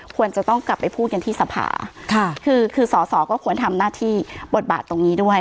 ควรจะต้องกลับไปพูดกันที่สภาค่ะคือคือสอสอก็ควรทำหน้าที่บทบาทตรงนี้ด้วย